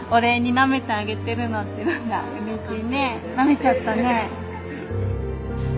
なめちゃったね。